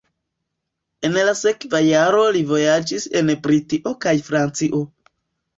En la sekva jaro li vojaĝis en Britio kaj Francio.